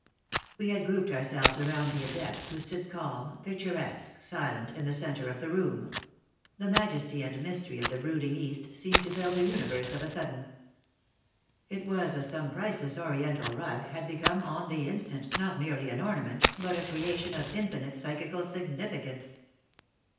We had grouped ourselves around the adept, who stood calm, picturesque, silent, in the center of the room; the majesty and mystery of the brooding East seeming to fill the universe of a sudden. It was as some priceless Oriental rug had become on the instant not merely an ornament, but a creation of infinite psychical significance.